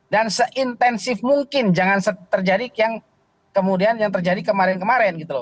dan seintensif mungkin jangan terjadi yang kemudian yang terjadi kemarin kemarin gitu loh